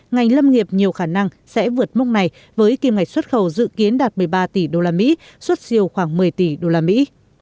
ngành lâm nghiệp nhiều khả năng sẽ vượt mốc này với kim ngạch xuất khẩu dự kiến đạt một mươi ba tỷ đô la mỹ xuất siêu khoảng một mươi tỷ đô la mỹ